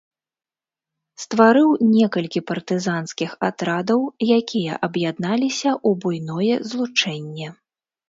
Стварыў некалькі партызанскіх атрадаў, якія аб'ядналіся ў буйное злучэнне.